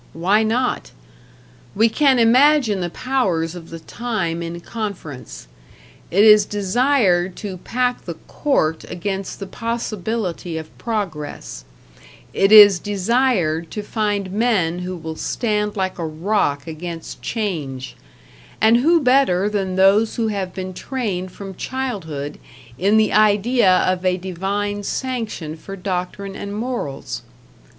Why not? We can imagine the powers of the time in conference. It is desired to pack the Court against the possibility of progress; it is desired to find men who will stand like a rock against change and who better than those who have been trained from childhood in the idea of a divine sanction for doctrine and morals?